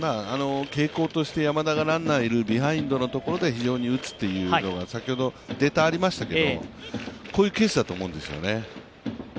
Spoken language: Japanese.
傾向として山田がランナーにいるビハインドのところで非常に打つということが先ほどデータありましたけれども、こういうケースだと思うんですよね。